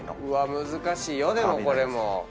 うわっ難しいよでもこれも。